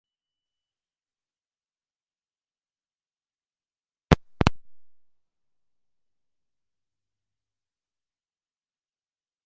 প্রথমত, অস্পষ্ট ছবিযুক্ত ভোটার তালিকায় বিদ্যমান ত্রুটিগুলো সংশোধনের ব্যবস্থা করতে হবে।